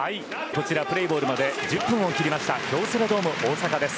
こちらプレーボールまで１０分を切りました京セラドーム大阪です。